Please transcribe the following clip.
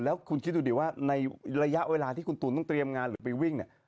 แล้วคุณคิดดูดิว่าในระยะเวลาที่คุณตูนต้องเตรียมงานหรือไปวิ่งเนี่ย